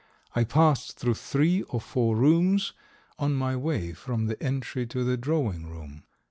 I passed through three or four rooms on my way from the entry to the drawing room.